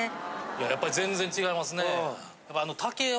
いややっぱり全然違いますねえ。